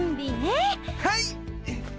はい！